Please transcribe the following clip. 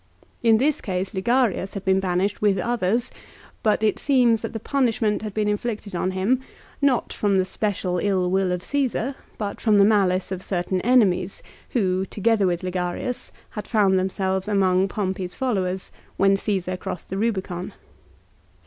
In this case Ligarius had been banished with others, but it seems that the punishment had been inflicted on him, not from the special ill will of Csesar but from the malice of certain enemies who, together with Ligarius, had found themselves among Pompey's followers when Csesar crossed the Rubicon.